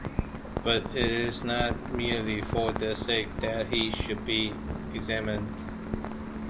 But it is not merely for their sake that he should be examined.